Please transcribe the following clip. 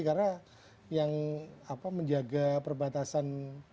karena yang menjaga perbatasan